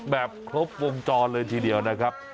แบบครบวงจรเลยทีเดียวนะครับ